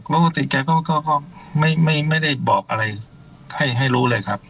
ปกติแกก็ไม่ได้บอกอะไรให้รู้เลยครับ